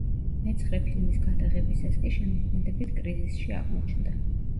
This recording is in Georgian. მეცხრე ფილმის გადაღებისას კი შემოქმედებით კრიზისში აღმოჩნდა.